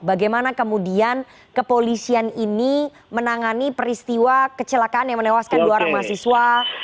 bagaimana kemudian kepolisian ini menangani peristiwa kecelakaan yang menewaskan dua orang mahasiswa